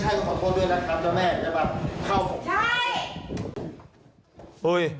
ถ้าไม่ใช่ก็ขอโทษด้วยนะครับเจ้าแม่เจ้าแม่อย่าปล่าวเข้าใช่